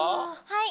はい。